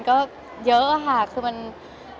โมเมนต์กลางคืนก็เยอะค่ะ